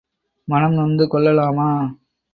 மனம் நொந்து கொள்ளலாமா?